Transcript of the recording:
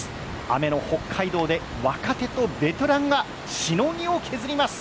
雨の北海道で若手とベテランがしのぎを削ります。